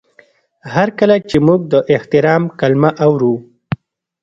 هر کله چې موږ د احترام کلمه اورو.